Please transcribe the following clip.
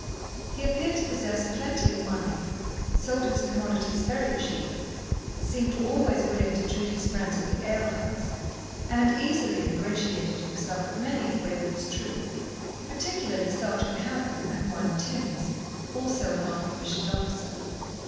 He appeared to possess plenty of money, sold his commodities very cheap, seemed always willing to treat his friends at the ale house, and easily ingratiated himself with many of Waverley's troop, particularly Sergeant Houghton and one Tims, also a non commissioned officer.